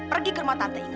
para pasangan yang lainnya